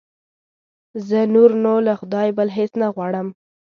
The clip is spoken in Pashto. زه نور نو له خدایه بل هېڅ نه غواړم.